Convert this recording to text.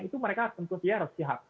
itu mereka tentu dia harus siap